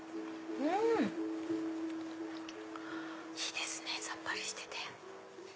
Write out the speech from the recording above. いいですねさっぱりしてて。